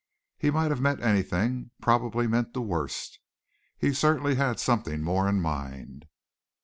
He might have meant anything, probably meant the worst. He certainly had something more in mind.